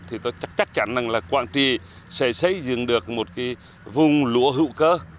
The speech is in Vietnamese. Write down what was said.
thì tôi chắc chắn là quảng trị sẽ xây dựng được một vùng lúa hữu cơ